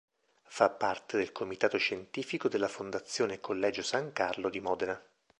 Fa parte del comitato scientifico della Fondazione Collegio San Carlo di Modena.